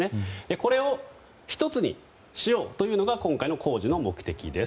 これを１つにしようというのが今回の工事の目的です。